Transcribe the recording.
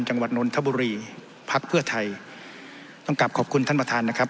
จังหวัดนนทบุรีพักเพื่อไทยต้องกลับขอบคุณท่านประธานนะครับ